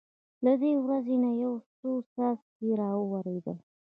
له دې وریځې نه یو څو څاڅکي را وورېدل.